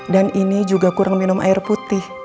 dan ini juga kurang minum air putih